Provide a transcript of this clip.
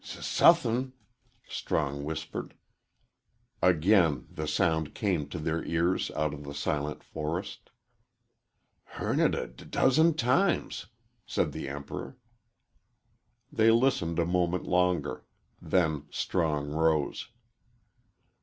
"S suthin'," Strong whispered. Again the sound came to their ears out of the silent forest. "Hearn it d dozen times," said the Emperor. They listened a moment longer. Then Strong rose.